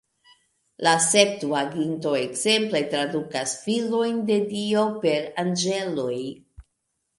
La Septuaginto, ekzemple, tradukas "filojn de Dio" per "anĝeloj".